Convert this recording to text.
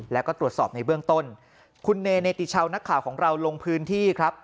แล้วก็ตรวจสอบในเบื้องต้นคุณเนติชาวนักข่าวของเราลงพื้นที่ครับ